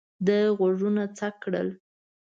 ده غوږونه څک کړل.